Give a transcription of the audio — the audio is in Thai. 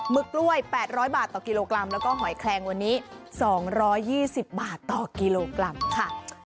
ึกกล้วย๘๐๐บาทต่อกิโลกรัมแล้วก็หอยแคลงวันนี้๒๒๐บาทต่อกิโลกรัมค่ะ